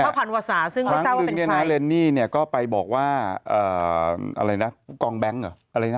คือพระพันวษาซึ่งไม่ทราบว่าเป็นใคร